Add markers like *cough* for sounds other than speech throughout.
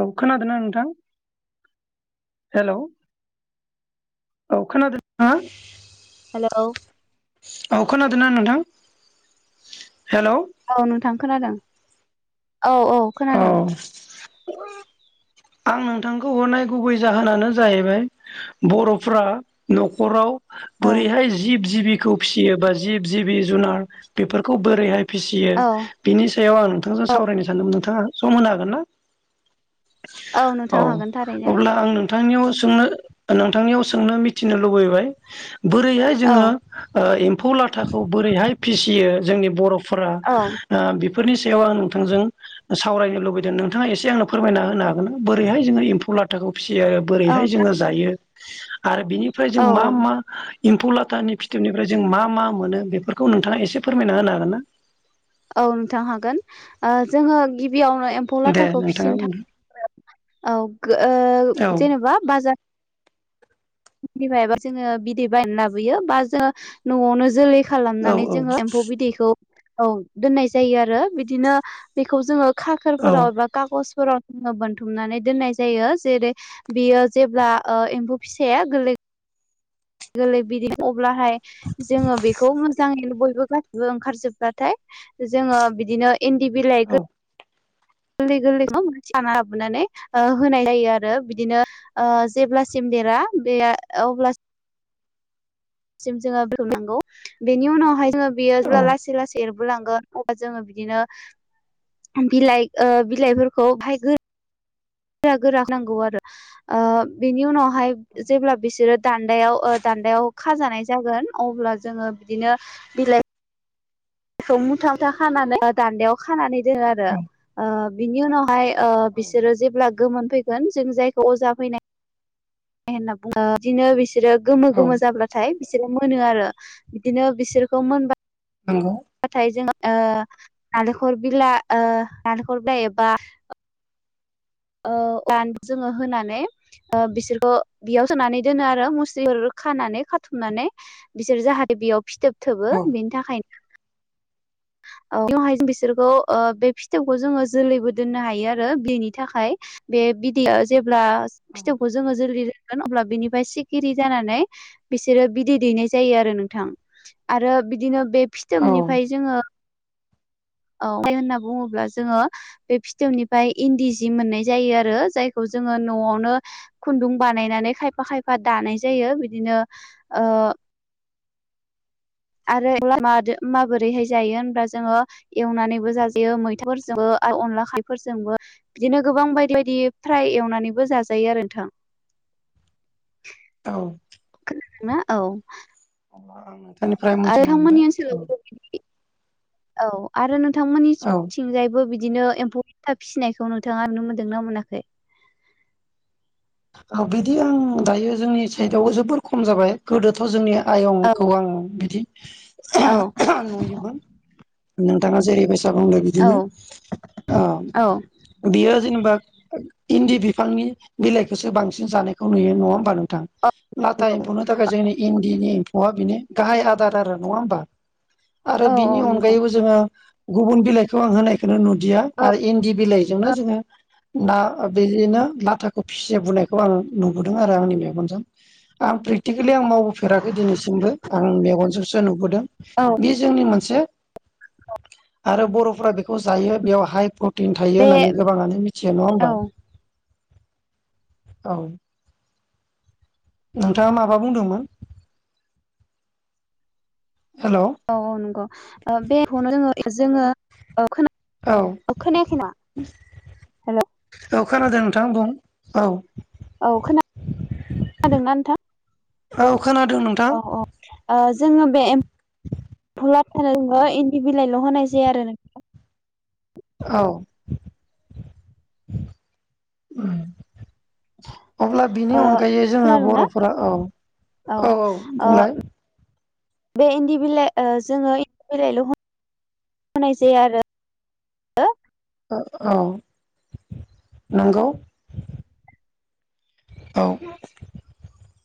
औ खोनादोंना नोंथां हेल'? औ खोनादोंना? हेलौ। अ खोनादों न नथां? औ नोंथां खोनादों औ औ खोनादों। आं नोंथांखौ हरनाय गुबै जाहोनानो जाहैबाय बर'फ्रा न'खराव औ बोरैहाय जिब जिबिखौ फिसियो बा जिब जिबि जुनार बेफोरखौ बोरैहाय फिसियो औ बिनि सायाव आं नोंथांजों औ सावरायनो सानदोंमोन नोंथाङा सम होनो हागोन ना? औ नोंथां हागोन थारैनो अब्ला आं नोंथांनियाव सोंनो नोंथांनियाव सोंनो मिथिनो लुबैबाय। बोरैहाय औ जोङो ओ एम्फौ लाथाखौ बोरैहाय फिसियो जोंनि बर' फ्रा ओ औ बिब बेफोरनि सायाव आं नोंथांजों सावरायनो लुबैदों नोंथाङा एसे आंनो फोरमायना होनो हागो बोरैहाय जोङो एम्फौ लाथाखौ फिसियो औ बोरैहाय जोङो जायो आरो बिनिफ्राय जों औ मा मा एम्फौ लाथानि फिथोबनिफ्राय जों मा मा मोनो बेफोरखौ नोंथाङा एसे फोरमायना होनो हागोन ना औ नोंथां हागोन ओ जोङो गिबियावनो एम्फौ दे लाथाखौ नोंथाङा फिसिनो बुंदो था औ गो औ ओ जेनेबा बाजार बि बायबा जोङो बिदै बायनानै लाबोयो बा जों न'आवनो जोलै औ खालामनानै जोङो एम्फौ बिदैखौ औ दोननाय जायो आरो बिदिनो बेखौ जोङो खाखोरफोराव औ एबा खागज फोराव बोनथुमनानै दोनाय जायो जेरै बियो जेब्ला ओ एम फौ फिसाया गोलै गोरलै बिदि अब्लाहाय जोङो बेखौ मोजाङैनो बयबो गा *unintelligible* बो ओंखारजोबाथाय जोङो बिदिनो इन्दि बिलाइ गो गोरलै गोरलै खाना लाबोनानै होनाय जायो आरो बिदिनो ओ जेब्लासिम देरा बे अब्लास सिम जोंङो *unintelligible* बेनि उनावहाय जोङो बियो औ जेब्ला लासै लासै एर लांगोन अब्लाजोङो बिदिनो बिलाइ ओ बिलाइफोरखौ फाय गोर गोरा गोरा नांगौ आरो ओ बेनि उनाव फाय जेब्ला बिसोरो दान्दायाव ओ दान्दायाव खाजानाय जागोन अब्ला जोङो बिदिनो बिलाइ मौ मुथ मुथा खानानै दान्दायाव खानानै दोनो आरो औ ओ बिनि उनावहाय ओ बिसोरो जेब्ला गोमोन फैगोन जों जायखौ अजा फैनाय *inaudible* होनना बुङो बिदिनो बिसोरो गोमो औ गोमो जाब्लाथाय बिसोरो मोनो आरो बिदिनो बिसोरखौ मोनबा नंगौ नाथाय जों ओ नालेंखर बिलाइ ओ नालेंखर बिला एबा ओ *unintelligible* जोङो होनानै ओ बिसोरखौ बेयाव सोनानै दोनो आरो मुस्रिफोर खानानै खाथुमनानै बिसोर जाहाथे बेयाव फिथोब थोबो औ बिनि थाखाय *unintelligible* हाय बिसोरखौ ओ बे फिथोबखौ जोङो जोलैबो दोननो हायो आरो बिदैनि थाखाय बे बिदैया जेब्ला औ फिथौखौ जोङो जोलै अब्ला बिनिफ्राय सिखिरि जानानै बिसोरो बिदै दैनाय जायो आरो नोंथां आरो बिदिनो बे फिथोबनिफ्राय जोङो *inaudible* औ माय होनना बुङोब्ला जोङो बे फिथोबनिफ्राय इन्दि सि मोननाय जायो आरो जायखौ जोङो न'आवनो खुनदुं बानायनानै खायफा खायफा दानाय जायो बिदिनो ओ ओ आरो *unintelligible* माबोरैहाय जायो होनब्लाा जोङो एवनानैबो जाजायो मैथाफोरजोंबो अनला खा *unintelligible* फोरजोंबो बिदिनो गोबां बायदि बायदि फ्राय एवनानैबो जाजायो आरो नोंथां औ ना औ *unintelligible* *unintelligible* मोनथिनो थां मोनबाय मोननि ओनसोलावबो बिबदि औ आरो औ नोंथांमोननिथिंजायबो बिद बिदिनो एम्फौ *unintelligible* था फिसिनायखौ नोंथाङा नुनो मोनदोंनाा मोनाखै? औ बिदि आं दायो जोंनि साइडआव जोबोर खम जाबाय गोदोथ' जोंनिया औ आयंखौ आं बिदि औ नुयोमोन नोंथाङा जेरैबायसा दा बुंदों औ बिदिनो आ औ बियो जेनेबा इन्दि बिफांनि बिलाइखौसो बांसिन जानायखौ नुयो नङा होमबा नों थां नाथाय एम्फौनो थाखाय जोंनि इन्दिनि एम्फौआ बिनो गाहाय आदार आरो नङा होमबा। आरो औ बिनि औ नंगौ अनगायैबो जोङो गुबुन बिलाइखौ आं होनायखौनो नु दिया औ आरो इन्दि बिलाइजोंनो औ जोङो ना बिदिनो लाथाखौ फिसि बुननायखौ आङो नुबोदों आरो आंनि मेगनजों आं प्रेटिक केलि आं मावबोफेराखै दिनैसिमबो आं मेगनजोंसो नुबोदों औ बे जोंनि मोनसे आरो बर'फ्रा बेखौ जायो बेयाव हाइ प्रटिन थायो बे होननानै गोबाङानो मिथियो नङा औ होमबा? औ। नोंथाङा माबा बुंदोंमोन? औ औ नंगौ ओ बेखौनो जोङो जोङो खोना खोनायाखै नामा? हेलौ। औ खोनादों नोंथां बुं औ। औ खोना खोनादोंना नोंथां? औ खोनादों औ नोंथां। औ ओ जोङो बे एम्फुलाथानो जोङो इन्दि बिलाइल' होनाय जाया आरो नोंथां। औ। अब्ला बिनि ओ अनगायै जोङो खोनादोंना बर'फोरा औ। औ औ ओ बुंलाय। बे इन्दि बिलाइ ओ जोङो इन्दि बिलाइल' हो नाय जाया आरो। ओ औ नंगौ। औ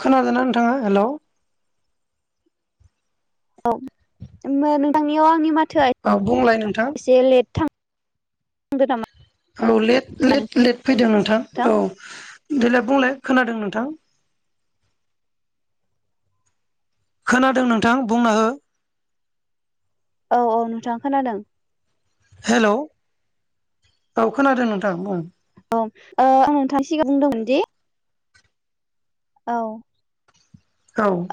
खोनादो ना नोंथाङा हेलौ। औ नोंथांनियाव आंनि माथोआ औ बुंलाय नोंथां एसे लेट थां दो नामा? औ लेट लेट लेट फैदों नोंथां औ। देलाय बुंलाय खोनादों नोंथां। खोनादों नोंथां बुंना हो। औ औ नोंथां खोनादों। हेलौ औ खोनादों नोंथां बुं। औ ओ आं नोंथांनि सिगाङाव बुंदोंमोनदि औ।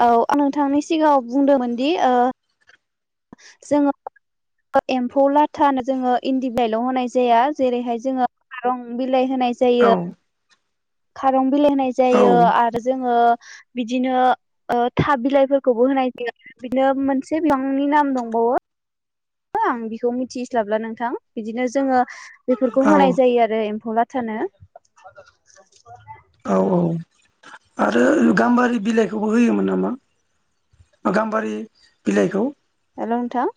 औ आं नोंथांनि सिगाङाव बुंदोंमोन दि ओ जोङो एम्फौ लाथानो जोङो इन्दि बिलायल' होनाय जाया जेरैहाय जोङो खारं बि लाय होनाय जायो। खारं बिलाइ होनाय औ जायो आरो जोङो बिदिनो ओ था बिलाइफोरखौबो होनाय जायो बिदिनो मोनसे बिफांनि नाम दंबावो। *inaudible* आं बिखौ मिथिस्लाबला नोंथां बिदिनो जोङो बेफोरखौ होनाय जायो आरो एम्फौ ला थानो। औ औ आरो गाम्बारि बिलाइखौबो होयोमोन नामा? गाम्बारि बिलाइखौ। हेल' नोंथां।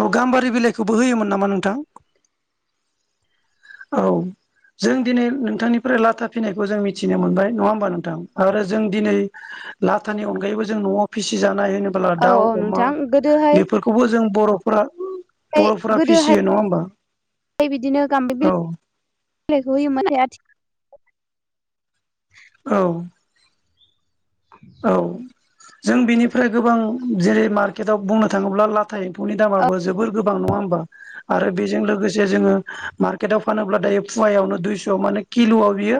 औ गाम्बारि बिलाइखौबो होयोमोन नामा नोंथां? औ। जों दिनै नोंथांनिफ्राय लाथा फिनायखौ जों मिथिनो मोनबाय नङा होमबा नोंथां आरो जों दिनै लाथानि अनगायैबो जों न'आव फिसिजानाय होनोब्ला औ दाउ, औ अमा नोंथां गोदोहाय बेफोरखौबो जों बर'फोरा बर'फोरा फिसियो गोदोहाय नङा होमबा बिदिनो गाम्बारि औ। *unintelligible* औ औ जों बेनिफ्राय गोबां जेरै मार्केटआव बुंनो थाङोब्ला लाथा एम्फौनि दामाबो जोबोर गोबां नङा ओमबा आरो बेजों लोगोसे जोङो मार्केटाव फानोब्ला दायो फुवायावनो दुइस' माने किल किल' आव बियो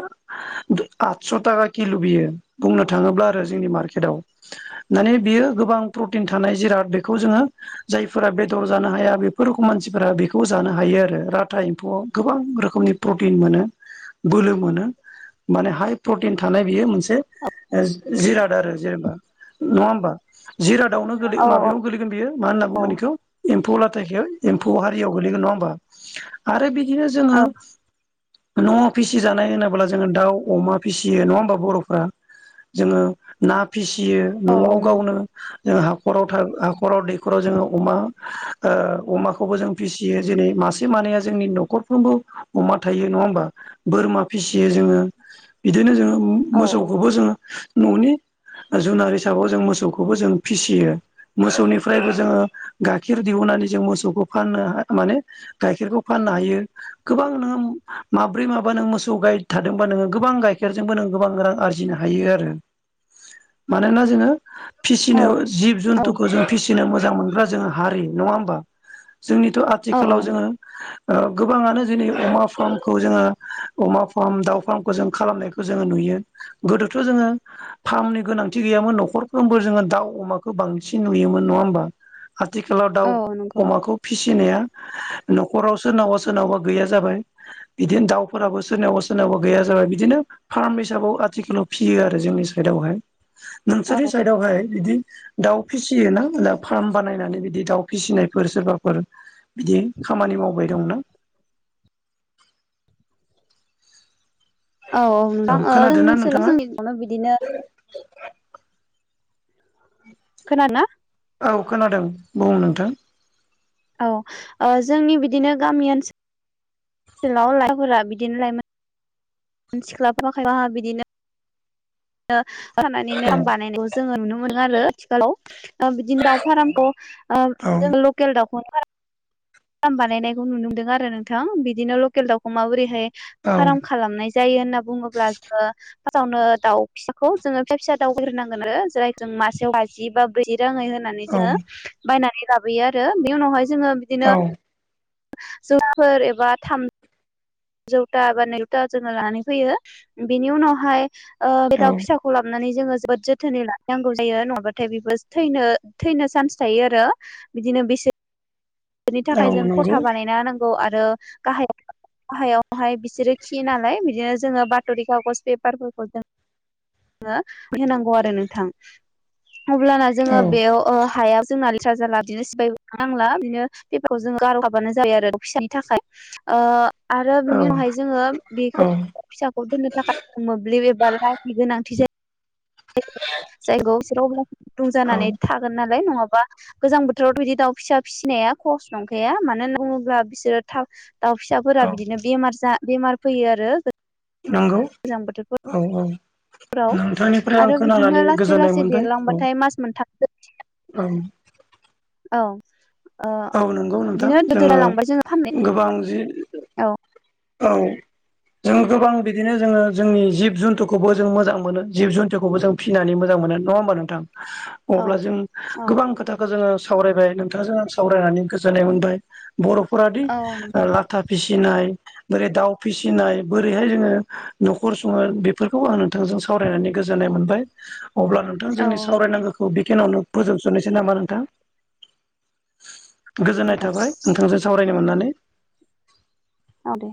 आटस' ताका किल' बियो बुंनो थाङोब्ला जोंनि मकेटआव माने बियो गोबां प्रटिन थानाय जिराद बेखौ जोङो जायफोरा बेदर जानो हाया बेफोर रोखोम मानसिफोरा बेखौ जानो हायो आरो लाथा एम्फौआव गोबां रोखोमनि प्रटिन मोनो बोलो मोनो माने हाइ प्रटिन थानाय बियो मोनसे जिराद आरो जेनेबा। नङा होमबा जिरादावनोै औ माबायाव गोलैगोन बियो मा होनना औ बुङोन बेखौ एम्फौ लाथायखौ एम्फौ हारियाव गोलैगोन नङा होमबा आरो बिदिनो जोङो न' फिसिजानाय होनोब्ला जोङो दाउ अमा फिसियो नङा होमबा बर'फ्रा? जोङो ना फिसियो औ न'आव गावनो। जों हाखराव हाखराव दैखराव जोङो अमा ओ अमाखौबो जों फिसियो जेरै मासे मानैया जोंनि न'खरफ्रोमबो अमा थायो नङा होमबा बोरमा फिसियो जोङो बिदिनो जोङो औ मोसौखौबो जोङो न'नि जुनार हिसाबाव जों मोसौखौबो जों फिसियो। मोसौनिफ्रायबो जोङो गाइखेर दिहुननानै जों मोसौखौ फाननो माने गाइखेरखौ फान नो हायो गोबां माब्रै माबा नों मोसौ गाय थादोंबा नोङो गोबां गाइखेरजोंबो नों गोबां रां आरजिनो हायो आरो मानोना जोङो फिसिनो जिब औ जुथुखौ जों फिसिनो मोजां मोनग्रा जोङो हारि नङा होमबा? जोंनिथ' औ आथिखालाव जोङो ओ गोबाङानो जोंनि अमा फार्मखौ जोङो अमा फार्म दाउ फार्मखौ जों खालामनायखौ जोङो नुयो। बि गोदोथ' जोङो फार्मनि गोनांथि गैयामोन न'खरफ्रोमबो जोङो दाउ अमाखौ बांसिन नुयोमोन नङा नङा ओमबा आथिखालाव दाउ औ नंगौ अमाखौ फिसि फिनाया न'खराव सोरनावबा सोरनावबा गैया जाबाय। बिदिनो दाउफोराबो सोरनावाबा सोरनावबा गैया जाबाय बिदिनो फार्म हिसाबाव आथिखालाव फियो आरो जोंनि साइडआवहाय औ नोंसोरनि साइडआवहाय बिदि दाउ फिसियोना फार्म बानायनानै बिदि दाउ फिसिनायफोर सोरबाफोर बिदि खामानि मावबाय दंना? औ औ नोंथां *unintelligible* खोनादोंना जोंनि नोंथाङा ओनसोलाव बिदिनो खोनादोंना? औ खोनादों बुं नोंथां। औ ओ जोंनि बिदिनो गामि ओनसोल लाव लाइखाफोरा *unintelligible* बिदिनो लाइमोन। मान सिख्लाबफाखायबहा *unintelligible* बिदिनो बि रानानै औ नाम बानायनायाव जोङो नुनो मोनो आरो आथिखालाव। *unintelligible* बिदिनो दाउ फार्मखौ औ जों ओ लकेल दाउखौ फार्म बानायनायखौ नुनो मोनदों आरो नोंथां बिदिनो लकेल दाउखौ माबोरैहाय औ फार्म खालामनाय जायो होनना बुङोब्ला जोङो फार्टआवनो दाउ फिसाखौ जोङो फिसा फिसा दावबायग्रोनांगोन आरो जेराय जों मासेआव बाजि बा ब्रै *unintelligible* राङै होनानै औ जोङो बायनानै लाबोयो आरो बि उनावहाय जोङो बिदिनो जौफोर एबा थाम जौथा बा नौथा जोङो लानानै फैयो बिनि उनावहाय *unintelligible* ओ बे औ दाउ फिसाखौ लाबोनानै जों जोबोद जोथोनै लाखि नांगौ जायो नङाबाथाय बेबो थनो थैनो चान्स थायो आरो बिदिनो नो बिसोर बेनि औ थाखाय जों नंगौ खथा बानायना होनांगौ आरो गाहाय गाहायावहाय बिसोरो खियो नालाय बिदिनो जोङो बत'रि कागज पेपारफोरखौ जों हो होनांगौ आरो नोंथां। अब्लाना औ जोङो बेयाव ओ हायाव जोंना लिथ्रा जारला बिनो सिफायनोबो नांला बिदिनो बेफोरखौ जोङो गार' हाबानो जायो आरो फिसानि थाखाय। ओ आरो औ बिनि उनावहाय जोङो बेखौ औ फिसाखौ दोननो थाखाय मोब्लिब एबा लाइनि गोनांथि जायो। जायगायाव सोरेराव गुदुं औ जानानै थागोन नालाय जाय नङाबा गोजां बोथोरावथ' बिदि दाउ फिसा फिसिनाया सहस नंखाया मानो बुङोब्ला बिसोरो थाब दाउ फिसाफोरा औ बिदिनो बेमार बेमार फैयो आरो। नोंगौ गोजां बोथोरफोर औ औ। नोंथांनिफ्राय आं आरो बिदिनो खोनानानै लासै गोजोननाय लासै मोनबाय औ। देरलांबाथाय मास मोनथामसो औ। औ। औ नंगौ नोंथां बिदिनो जोङो दोदालांबाय फाननाय गोबां जि औ औ। जों गोबां बिदिनो जोङो जोंनि जिब जुन्थुखौबो जों मोजां मोनो जिब जुन्थुखौबो जों फिनानै मोजां मोनो नङा होमबा नोंथां? औ अब्ला जों औ गोबां खोथाखौ जोङो सावरायबाय नोंथांजों आं सावरायनानै गोजोननाय मोनबाय बर'फोरादि औ नोंथां लाथा फिसि सिनाय बोरै दाउ फिसिनाय बोरैहाय जोङो न'खर सङो बेफोरखौ आङो थांजों सावरायनानै गोजोननाय मोनबाय अब्ला नोंथां औ जोंनि सावरायनांगोखौ खिनियावनो फोजोबजोबनोसै नामा नोंथां? गोजोननाय नोंथां थाबाय नोंथांजों सावरायनो मोननानै। औ दे।